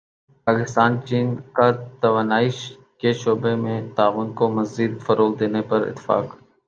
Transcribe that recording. پاکستان چین کا توانائی کے شعبے میں تعاون کو مزید فروغ دینے پر اتفاق